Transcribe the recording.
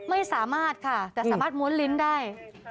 ไม่สามารถค่ะแต่สามารถม้วนลิ้นได้